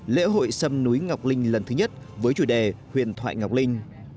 lễ hội sâm núi ngọc linh lần thứ nhất với chủ đề huyền thoại ngọc linh